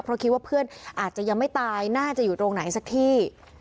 เพราะคิดว่าเพื่อนอาจจะยังไม่ตายน่าจะอยู่ตรงไหนสักที่